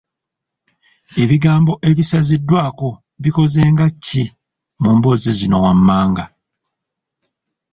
Ebigambo ebisaziddwako bikoze nga ki mu mboozi zino wammanga?